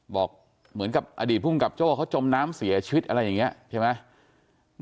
บอกเหมือนกับอดีตภูมิกับโจ้เขาจมน้ำเสียชีวิตอะไรอย่างนี้ใช่ไหม